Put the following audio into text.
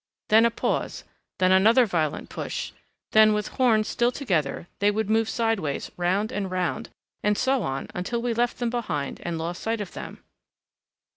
Then a pause, then another violent push, then with horns still together they would move sideways, round and round, and so on until we left them behind and lost sight of them.